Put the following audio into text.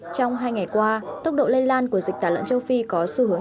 trong hai ngày qua tốc độ lây lan của dịch tả lợn châu phi có xu hướng